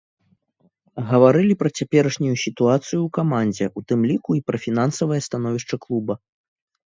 Гаварылі пра цяперашнюю сітуацыю ў камандзе, у тым ліку і пра фінансавае становішча клуба.